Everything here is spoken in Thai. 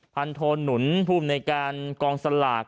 พันโทหนุนภูมิในการกองสลาก